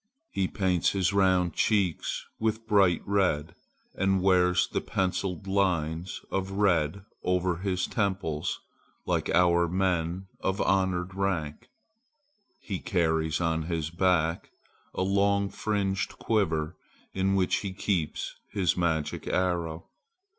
He paints his round cheeks with bright red, and wears the penciled lines of red over his temples like our men of honored rank. He carries on his back a long fringed quiver in which he keeps his magic arrow.